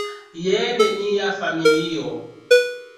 Jen nia familio.